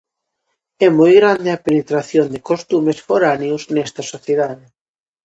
É moi grande a penetración de costumes foráneos nesta sociedade.